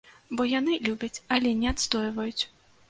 Бо яны любяць, але не адстойваюць.